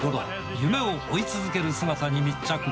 夢を追い続ける姿に密着。